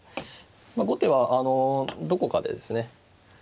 後手はあのどこかでですね